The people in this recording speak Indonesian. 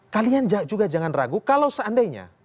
kalian juga jangan ragu kalau seandainya